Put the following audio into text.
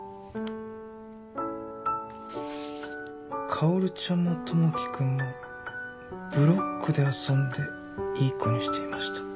「薫ちゃんも友樹くんもブロックで遊んでいい子にしていました」